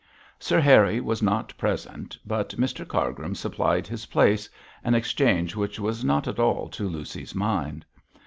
Sir Harry was not present, but Mr Cargrim supplied his place, an exchange which was not at all to Lucy's mind.